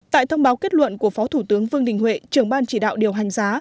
tại thông báo kết luận của phó thủ tướng vương đình huệ trưởng ban chỉ đạo điều hành giá